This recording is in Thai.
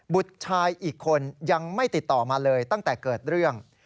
บุตรชายอีกคนยังไม่ติดต่อมาเลยตั้งแต่เกิดเรื่อง